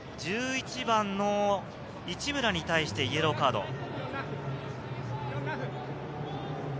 １１番の一村に対してイエローカード。